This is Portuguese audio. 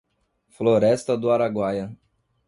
Floresta do Araguaia